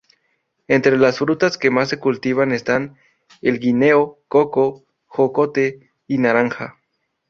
Entre las frutas que más se cultivan están: el guineo, coco, jocote y naranja.